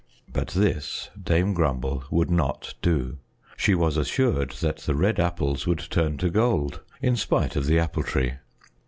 But this Dame Grumble would not do. She was assured that the red apples would turn to gold, in spite of the Apple Tree.